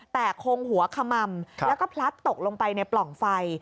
แต่คงหัวขม่ำแล้วก็พลัดตกลงไปในปล่องไฟ